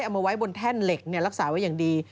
เอามาไว้บนแท่นเหล็กรักษาไว้อย่างดี